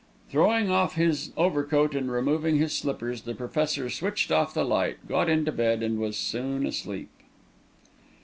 Throwing off his overcoat and removing his slippers, the Professor switched off the light, got into bed, and was soon asleep.